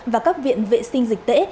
và các viện vệ sinh dịch tễ